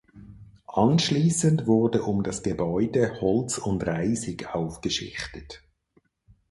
Anschließend wurde um das Gebäude Holz und Reisig aufgeschichtet.